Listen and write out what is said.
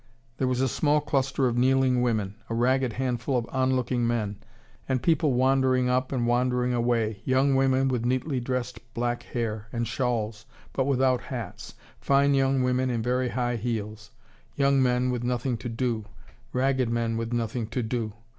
There was a small cluster of kneeling women a ragged handful of on looking men and people wandering up and wandering away, young women with neatly dressed black hair, and shawls, but without hats; fine young women in very high heels; young men with nothing to do; ragged men with nothing to do.